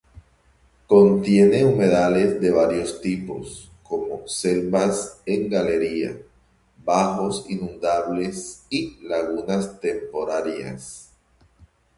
Contiene humedales de varios tipos, como selvas en galería, bajos inundables y lagunas temporarias.